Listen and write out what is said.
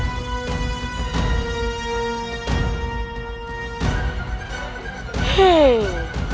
tapi rekan rekan pad sembilan ratus hn